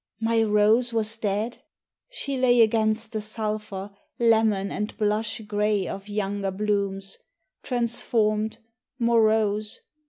My rose was dead ? She lay Against the sulphur, lemon and blush gray Of younger blooms, transformed, morose.